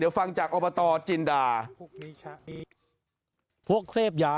เดี๋ยวฟังจากอบตจินดา